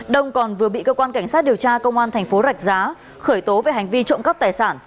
đông còn vừa bị cơ quan cảnh sát điều tra công an thành phố rạch giá khởi tố về hành vi trộm cắp tài sản